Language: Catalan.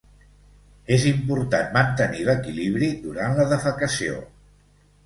És important mantenir l'equilibri durant la defecació.